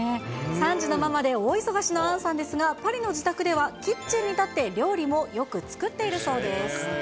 ３児のママで、大忙しの杏さんですが、パリの自宅ではキッチンに立って、料理もよく作っているそうです。